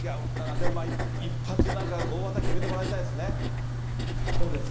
でも一発、なんか大技決めてもらいたいですね。